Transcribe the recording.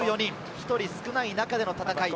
１人少ない中での戦い。